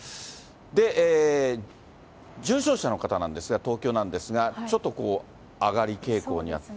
重症者の方なんですが、東京なんですが、ちょっと上がり傾向にあって。